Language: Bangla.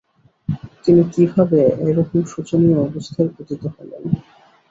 তিনি কিভাবে এরকম শোচনীয় অবস্থায় পতিত হলেন।